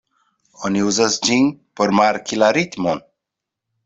Oni uzas ĝin por marki la ritmon.